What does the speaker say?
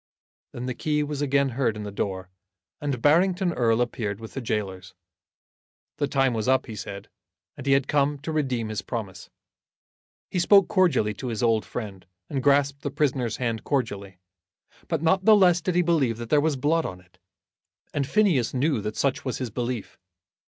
Then the key was again heard in the door, and Barrington Erle appeared with the gaolers. The time was up, he said, and he had come to redeem his promise. He spoke cordially to his old friend, and grasped the prisoner's hand cordially, but not the less did he believe that there was blood on it, and Phineas knew that such was his belief.